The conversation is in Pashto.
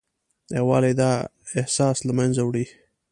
یووالی دا احساس له منځه وړي.